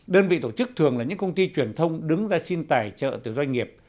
đơn vị tổ chức thường là những công ty truyền thông đứng ra xin tài trợ từ doanh nghiệp